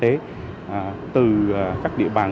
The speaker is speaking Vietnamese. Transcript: từ các địa bàn quận từ các địa bàn quận đến các địa bàn quận